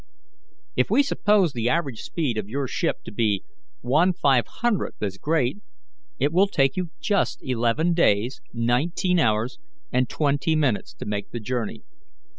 If we suppose the average speed of your ship to be one five hundredth as great, it will take you just eleven days, nineteen hours and twenty minutes to make the journey.